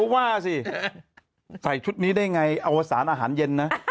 ว่าสิใส่ชุดนี้ได้ไงอวสารอาหารเย็นนะ